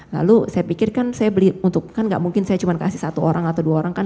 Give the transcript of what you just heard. lalu saya pikir kan saya beli untuk kan gak mungkin saya cuma kasih satu orang atau dua orang kan